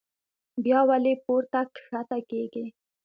بيا ولې پورته کښته کيږي